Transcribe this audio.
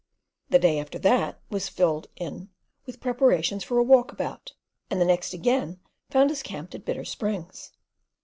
The day after that was filled in with preparations for a walk about, and the next again found us camped at Bitter Springs.